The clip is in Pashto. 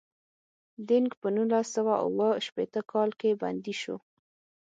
دینګ په نولس سوه اووه شپیته کال کې بندي شو.